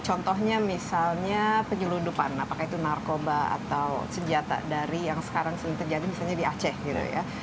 contohnya misalnya penyeludupan apakah itu narkoba atau senjata dari yang sekarang sering terjadi misalnya di aceh gitu ya